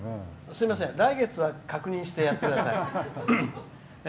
すいません来月は確認してやってください。